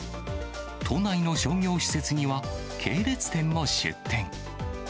都内の商業施設には系列店も出店。